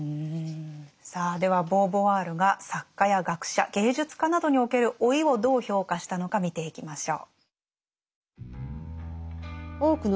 さあではボーヴォワールが作家や学者芸術家などにおける老いをどう評価したのか見ていきましょう。